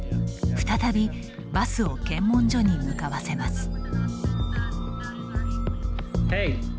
再びバスを検問所に向かわせます。